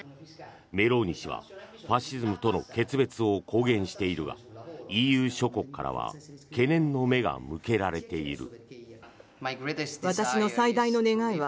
メローニ氏はファシズムとの決別を公言しているがＥＵ諸国からは懸念の目が向けられている。